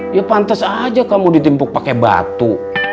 ya pantes aja kamu ditimpuk pake batu